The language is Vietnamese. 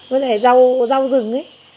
với lại rau rừng